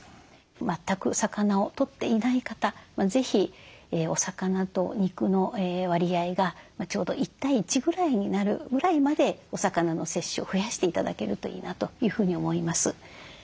全く魚をとっていない方是非お魚と肉の割合がちょうど１対１ぐらいになるぐらいまでお魚の摂取を増やして頂けるといいなというふうに思います。